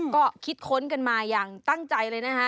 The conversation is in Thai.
ก็คิดค้นกันมาอย่างตั้งใจเลยนะฮะ